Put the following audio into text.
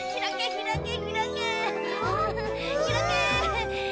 ひらけ。